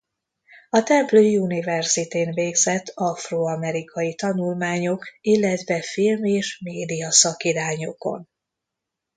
A Temple Universityn végzett afro-amerikai tanulmányok illetve film és média szakirányokon.